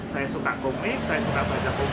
saya suka komik saya suka baca komik